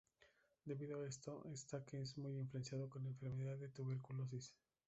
Debido a esto, está que esta muy influenciado con la enfermedad de tuberculosis.